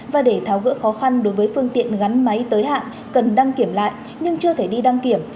và để tháo gỡ khó khăn đối với phương tiện gắn máy tới hạn cần đăng kiểm lại nhưng chưa thể đi đăng kiểm